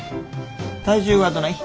体重はどない？